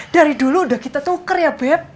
dari dulu udah kita tuker ya beb